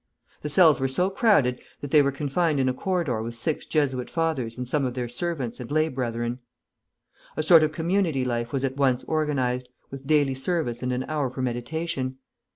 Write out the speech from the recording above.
The cells were so crowded that they were confined in a corridor with six Jesuit fathers and some of their servants and lay brethren. A sort of community life was at once organized, with daily service and an hour for meditation.